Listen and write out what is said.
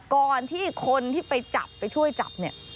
ก่อนที่คนที่ไปจับไปช่วยจับเนี่ย